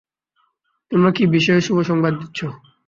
তোমরা কি বিষয়ে শুভ সংবাদ দিচ্ছ?